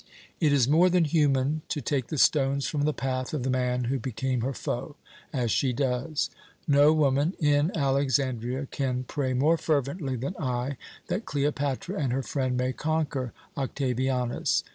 It is more than human to take the stones from the path of the man who became her foe, as she does. No woman in Alexandria can pray more fervently than I that Cleopatra and her friend may conquer Octavianus.